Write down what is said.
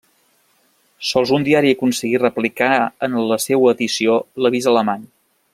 Sols un diari aconseguí replicar en la seua edició l'avís alemany.